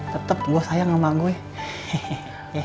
tetep gua sayang sama emak gua ya